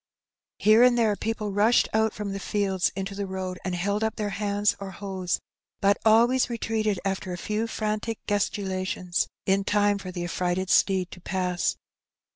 Here and there people rushed out from the fields into the road and held up their hands or hoes, but always retreated after a few frantic gesticu lations in time for the affrighted steed to pass.